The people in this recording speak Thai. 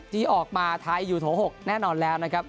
ที่ออกมาไทยอยู่โถ๖แน่นอนแล้วนะครับ